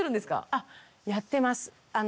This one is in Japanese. あっやってます。